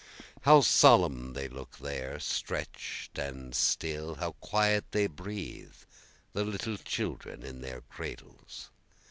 How solemn they look there, stretch'd and still, How quiet they breathe, the little children in their cradles.